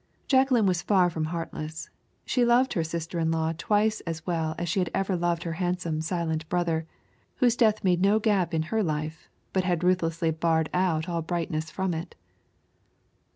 Jacqueline was far from heartless; she loved her sister in law twice as well as she had ever loved her handsome silent brother, whose death made no gap in her life, but had ruthlessly barred out all brightness from it.